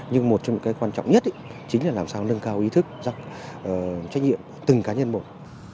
nhưng một trong những cái quan trọng nhất chính là làm sao nâng cao ý thức trách nhiệm từng cá nhân một